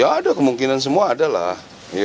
ya ada kemungkinan semua ada lah